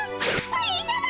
プリンさま！